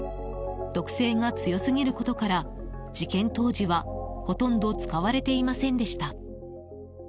毒性が強すぎることから事件当時はほとんど使われていませんでした。